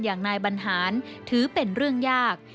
อย่างนายบรรหารถือเป็นเรื่องยาก